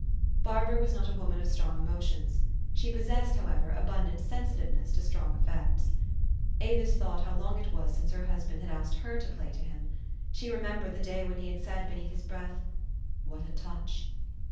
Barbara was not a woman of strong emotions. She possessed, however, abundant sensitiveness to strong effects. Avis thought how long it was since her husband had asked her to play to him. She remembered the day when he said beneath his breath, " What a touch